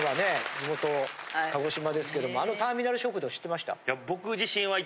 地元鹿児島ですけどもあのターミナル食堂知ってました？